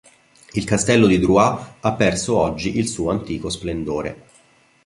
Il castello di Dreux ha perduto oggi il suo antico splendore.